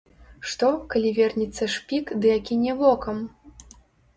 Што, калі вернецца шпік ды акіне вокам?